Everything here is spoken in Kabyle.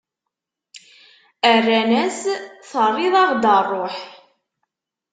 Rran-as: Terriḍ-aɣ-d ṛṛuḥ!